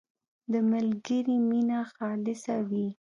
• د ملګري مینه خالصه وي.